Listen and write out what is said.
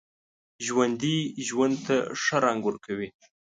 ژوندي ژوند ته ښه رنګ ورکوي